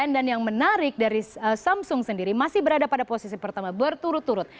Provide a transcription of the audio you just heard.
dan yang menarik dari samsung sendiri masih berada pada posisi pertama berturut turut